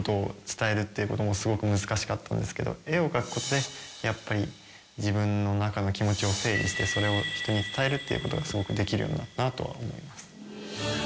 絵を描くことでやっぱり自分の中の気持ちを整理してそれを人に伝えるっていうことがすごくできるようになったなと思います。